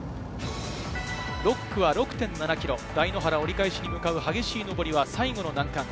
６区は６．７ｋｍ、台原折り返しに向かう激しい上りは最後の難関。